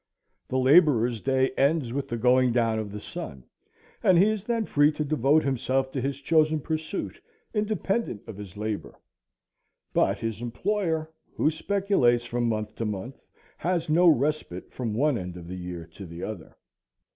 The laborer's day ends with the going down of the sun, and he is then free to devote himself to his chosen pursuit, independent of his labor; but his employer, who speculates from month to month, has no respite from one end of the year to the other.